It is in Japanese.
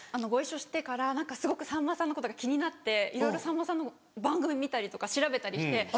ご一緒してから何かすごくさんまさんのことが気になっていろいろさんまさんの番組見たりとか調べたりして。